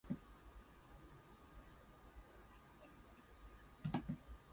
This was in accordance with the Constitution "Ubi Periculum" of Pope Gregory the Tenth.